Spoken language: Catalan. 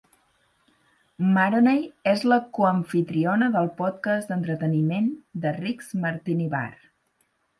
Maroney és la coamfitriona del podcast d'entreteniment de Rick's Martini Bar.